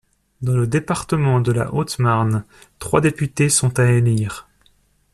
Dans le département de la Haute-Marne, trois députés sont à élire.